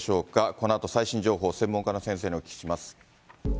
このあと最新情報を専門家の先生にお聞きします。